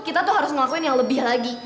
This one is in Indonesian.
kita tuh harus ngelakuin yang lebih lagi